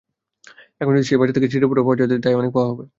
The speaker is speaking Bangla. এখন যদি সেই বাজার থেকে ছিটেফোঁটাও পাওয়া যায়, তা-ই অনেক পাওয়া হবে।